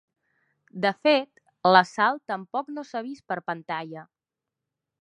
De fet, la Sal tampoc no s'ha vist per pantalla.